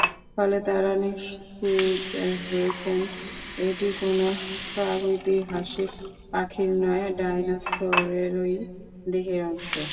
ফলে তাঁরা নিশ্চিত হয়েছেন এটি কোনো প্রাগৈতিহাসিক পাখির নয়, ডাইনোসরেরই দেহের অংশ।